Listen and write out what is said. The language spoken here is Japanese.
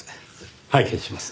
拝見します。